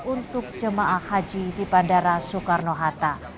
untuk jemaah haji di bandara soekarno hatta